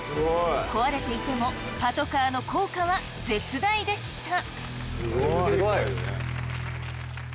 壊れていてもパトカーの効果は絶大でした！